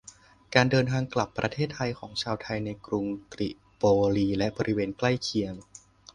การเดินทางกลับประเทศไทยของชาวไทยในกรุงตริโปลีและบริเวณใกล้เคียง